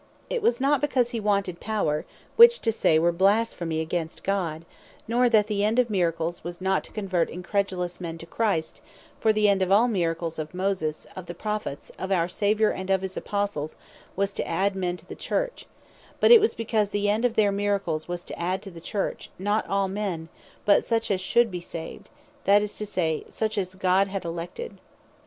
It was not because he wanted power; which to say, were blasphemy against God; nor that the end of Miracles was not to convert incredulous men to Christ; for the end of all the Miracles of Moses, of Prophets, of our Saviour, and of his Apostles was to adde men to the Church; but it was, because the end of their Miracles, was to adde to the Church (not all men, but) such as should be saved; that is to say, such as God had elected.